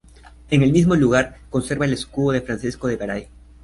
En el mismo lugar conserva el escudo de Francisco de Garay.